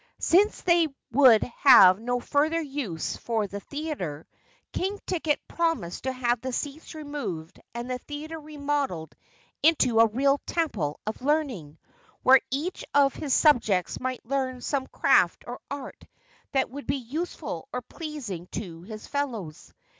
Since they would have no further use for the theater, King Ticket promised to have the seats removed and the theater remodeled into a real Temple of Learning, where each of his subjects might learn some craft or art that would be useful or pleasing to his fellows.